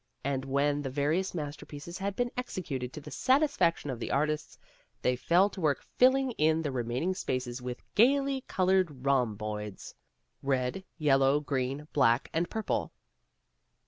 And when the various masterpieces had been executed to the satisfaction of the artists, they fell to work filling in the remaining spaces with gaily colored rhomboids, red, yellow, green, black, and purple.